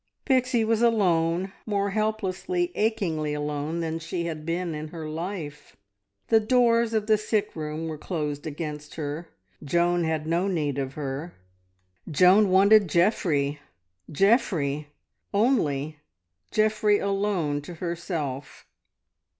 Pixie was alone, more helplessly, achingly alone than she had been in her life. The doors of the sickroom were closed against her. Joan had no need of her. Joan wanted Geoffrey Geoffrey, only Geoffrey alone to herself.